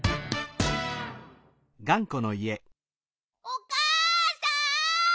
・おかあさん！